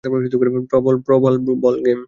প্রাণ বাবল গাম।